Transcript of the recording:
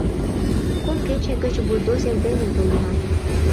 — Кум кече гыч бульдозер дене толына.